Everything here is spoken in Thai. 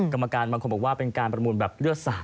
กรรมการบางคนบอกว่าเป็นการประมูลแบบเลือดสาด